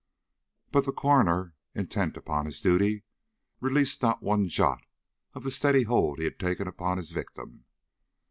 But the coroner, intent upon his duty, released not one jot of the steady hold he had taken upon his victim.